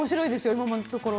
今のところ。